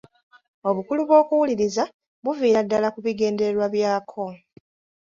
Obukulu bw'okuwuliriza buviira ddala ku bigendererwa byakwo .